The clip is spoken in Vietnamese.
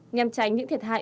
nhằm tránh những thiệt hại